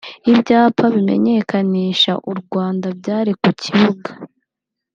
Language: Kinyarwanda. Ibyapa bimenyekanisha u Rwanda byari ku kibuga